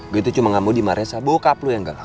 gue itu cuma ngamudi maresah bokap lo yang galak